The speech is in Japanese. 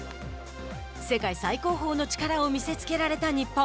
世界最高峰の力を見せつけられた日本。